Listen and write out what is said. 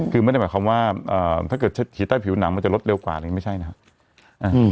คือไม่ได้หมายความว่าถ้าเกิดผีใต้ผิวหนังมันจะลดเร็วกว่านี้ไม่ใช่นะครับ